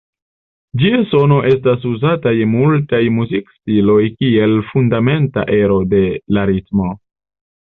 Ĝia sono estas uzata je multaj muzikstiloj kiel fundamenta ero de la ritmo.